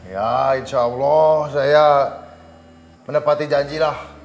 ya insya allah saya menepati janjilah